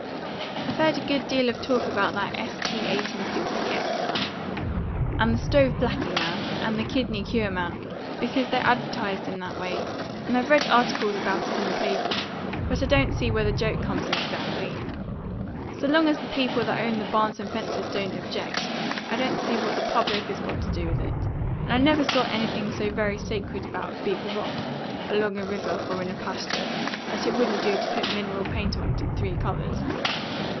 "I've heard a good deal of talk about that S.T. 1860 X. man, and the stove blacking man, and the kidney cure man, because they advertised in that way; and I've read articles about it in the papers; but I don't see where the joke comes in, exactly. So long as the people that own the barns and fences don't object, I don't see what the public has got to do with it. And I never saw anything so very sacred about a big rock, along a river or in a pasture, that it wouldn't do to put mineral paint on it in three colours.